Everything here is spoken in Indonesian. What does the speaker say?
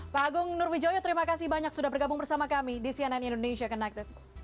pak agung nurwijoyo terima kasih banyak sudah bergabung bersama kami di cnn indonesia connected